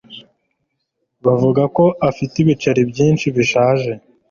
Bavuga ko afite ibiceri byinshi bishaje.